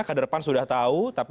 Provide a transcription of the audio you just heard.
kader pan sudah tahu